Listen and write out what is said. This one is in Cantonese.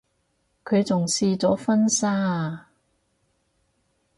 佢仲試咗婚紗啊